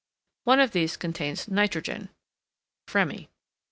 One of these contains nitrogen (Fremy).